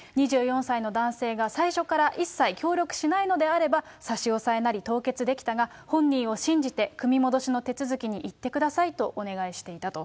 ２４歳の男性が最初から一切協力しないのであれば、差し押さえなり凍結できたが、本人を信じて、組み戻しの手続きに行ってくださいとお願いしていたと。